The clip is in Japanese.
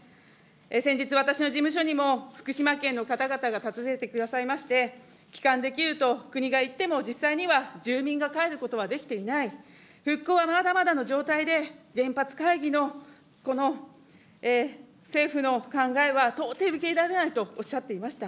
先日、私の事務所にも福島県の方々が訪ねてくださいまして、帰還できると国が言っても、実際には住民が帰ることはできていない、復興はまだまだの状態で、原発回帰のこの政府の考えは、到底受け入れられないとおっしゃっていました。